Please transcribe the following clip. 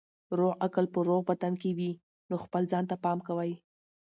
روغ عقل په روغ بدن کې وي نو خپل ځان ته پام کوئ.